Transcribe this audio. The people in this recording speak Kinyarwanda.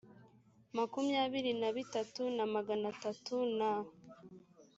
makumyabiri na bitatu na magana atatu na